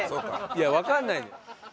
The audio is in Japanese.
いやわかんないのよ。